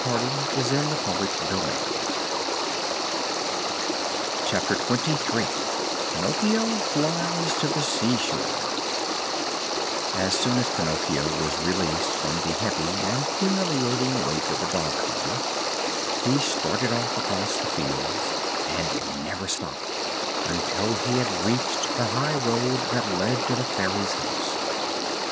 And he removed the dog collar. CHAPTER XXIII PINOCCHIO FLIES TO THE SEASHORE As soon as Pinocchio was released from the heavy and humiliating weight of the dog collar he started off across the fields and never stopped until he had reached the high road that led to the Fairy's house.